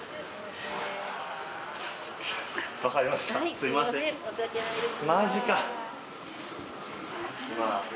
すいません申し訳ないです。